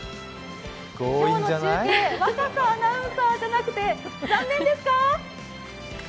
今日の中継、若狭アナウンサーじゃなくて残念ですか？